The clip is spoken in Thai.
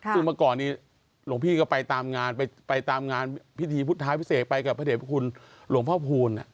คือเมื่อก่อนนี้หลวงพี่ก็ไปตามงานไปตามงานพิธีพุทธท้ายพิเศษไปกับพระเด็จพระคุณหลวงพ่อพูล